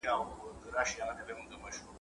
هم له وره یې د فقیر سیوری شړلی `